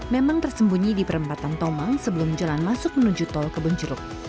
memang tersembunyi di perempatan tomang sebelum jalan masuk menuju tol kebun jeruk